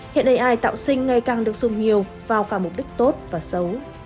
hiện ai tạo sinh ngày càng được dùng nhiều vào cả mục đích tốt và xấu